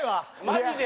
マジで。